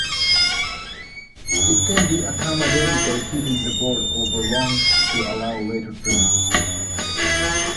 It can be accommodated by keeping the board overlong to allow later trimming.